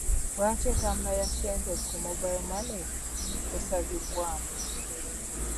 Lwaki entabuza ya ssente ku mobayiro mane kusazibwamu?